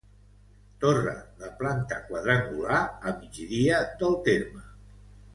Torre de planta quadrangular a migdia del terme.